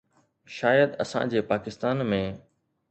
شايد اسان جي پاڪستان ۾